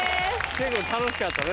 結構楽しかったね。